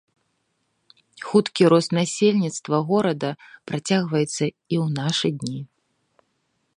Хуткі рост насельніцтва горада працягваецца і ў нашы дні.